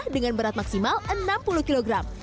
dengan berat maksimal enam puluh kg